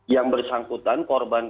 yang bersangkutan korban